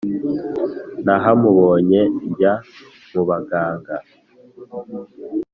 Ntahamubonye njya mu baganga.